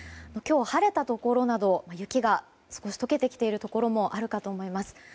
今日晴れたところでは雪が少し溶けてきているところもあるかと思います。